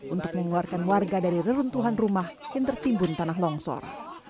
untuk mengeluarkan warga dari reruntuhan rumah yang tertimbun tanah longsor